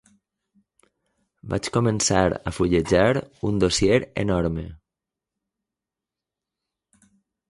Vaig començar a fullejar un dossier enorme.